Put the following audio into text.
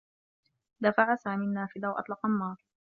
دفع سامي النّافذة و أطلق النّار.